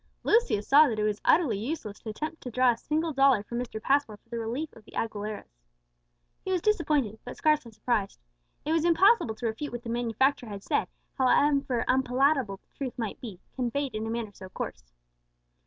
Lucius saw that it was utterly useless to attempt to draw a single dollar from Mr. Passmore for the relief of the Aguileras. He was disappointed, but scarcely surprised. It was impossible to refute what the manufacturer had said, however unpalatable truth might be, conveyed in a manner so coarse.